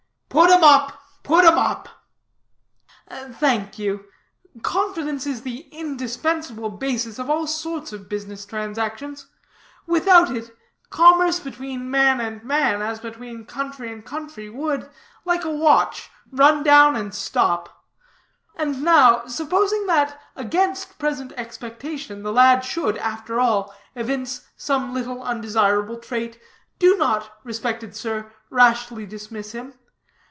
"Put 'em up, put 'em up!" "Thank you. Confidence is the indispensable basis of all sorts of business transactions. Without it, commerce between man and man, as between country and country, would, like a watch, run down and stop. And now, supposing that against present expectation the lad should, after all, evince some little undesirable trait, do not, respected sir, rashly dismiss him.